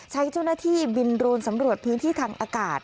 ใช้เจ้าหน้าที่บินโรนสำรวจพื้นที่ทางอากาศ